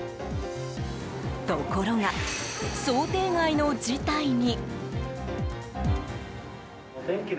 ところが、想定外の事態に。